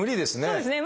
そうですね。